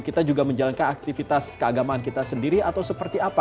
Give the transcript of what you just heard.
kita juga menjalankan aktivitas keagamaan kita sendiri atau seperti apa